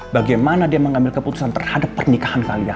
bagaimana dia mengambil keputusan terhadap pernikahan kalian